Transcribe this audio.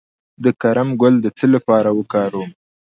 د کرم ګل د څه لپاره وکاروم؟